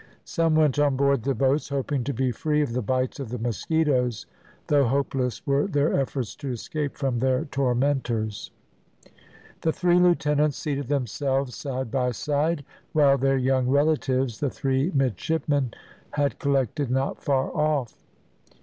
Some went on board the boats, hoping to be free of the bites of the mosquitoes, though hopeless were their efforts to escape from their tormentors. The three lieutenants seated themselves side by side, while their young relatives, the three midshipmen, had collected not far off.